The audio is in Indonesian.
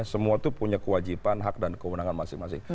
semua itu punya kewajiban hak dan kewenangan masing masing